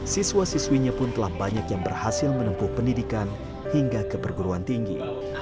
siswa siswinya pun telah banyak yang berhasil menempuh pendidikan hingga ke perguruan tinggi